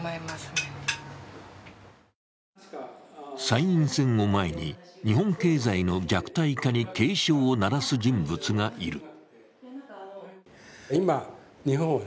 参院選を前に、日本経済の弱体化に警鐘を鳴らす人物がいる。